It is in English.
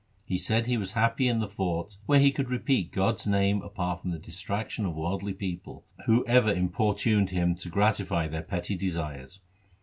He said he was happy in the fort where he could repeat God's name apart from the distraction of worldly people, who ever importuned him to gratify their petty desires.